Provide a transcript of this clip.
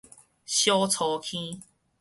小粗坑